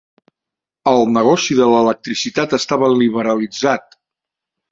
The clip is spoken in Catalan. El negoci de l'electricitat estava liberalitzat.